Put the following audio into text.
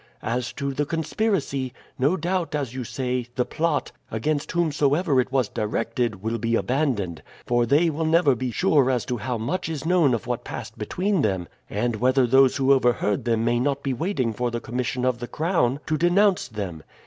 As to the conspiracy, no doubt, as you say, the plot, against whomsoever it was directed, will be abandoned, for they will never be sure as to how much is known of what passed between them, and whether those who overheard them may not be waiting for the commission of the crown to denounce them.